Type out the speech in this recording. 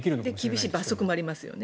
厳しい罰則もありますよね。